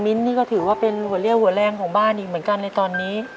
นี่ก็ถือว่าเป็นหัวเลี่ยวหัวแรงของบ้านอีกเหมือนกันในตอนนี้